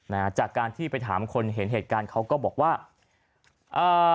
นะฮะจากการที่ไปถามคนเห็นเหตุการณ์เขาก็บอกว่าอ่า